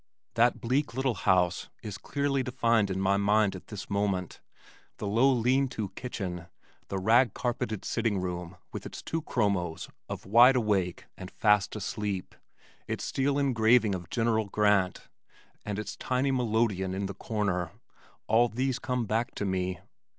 That bleak little house is clearly defined in my mind at this moment. The low lean to kitchen, the rag carpeted sitting room with its two chromos of Wide Awake and Fast Asleep its steel engraving of General Grant, and its tiny melodeon in the corner all these come back to me.